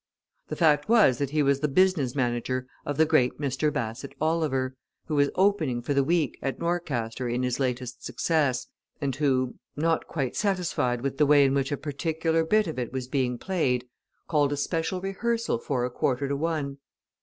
The fact was that he was the business manager of the great Mr. Bassett Oliver, who was opening for the week at Norcaster in his latest success, and who, not quite satisfied with the way in which a particular bit of it was being played called a special rehearsal for a quarter to one.